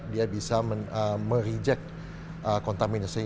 dia bisa mereject kontaminasi